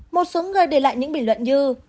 một số người để lại những bình luận như